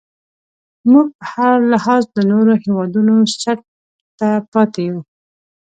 موږ په هر لحاظ له نورو هیوادونو څټ ته پاتې یو.